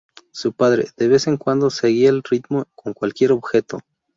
Su padre, de vez en cuando, seguía el ritmo con cualquier objeto.